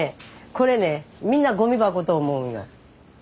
これねみんなゴミ箱と思うんよ。